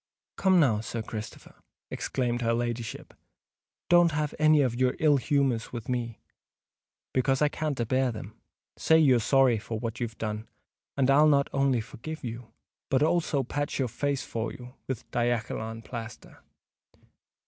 "Come, now, Sir Christopher," exclaimed her ladyship; "don't have any of your ill humours with me, because I can't a bear them. Say you're sorry for what you've done, and I'll not only forgive you, but also patch your face for you with diakkulum plaster.